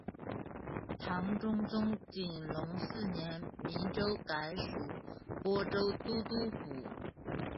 唐中宗景龙四年明州改属播州都督府。